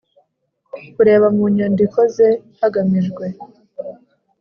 Kureba mu nyandiko ze hagamijwe